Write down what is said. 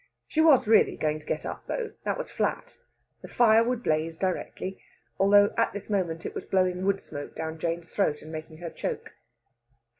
She was really going to get up, though, that was flat! The fire would blaze directly, although at this moment it was blowing wood smoke down Jane's throat, and making her choke.